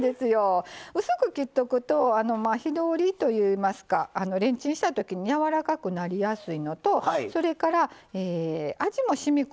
薄く切っておくと火通りといいますかレンチンしたときにやわらかくなりやすいのとそれから味もしみこみやすい。